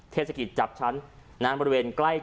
เทศกิจจับฉันนั้นบริเวณไกล